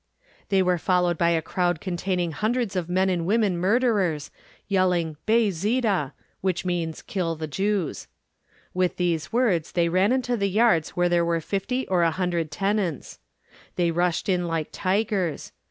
They were followed by a crowd containing hundreds of men and women murderers yelling "Bey Zhida," which means "Kill the Jews." With these words they ran into the yards where there were fifty or a hundred tenants. They rushed in like tigers.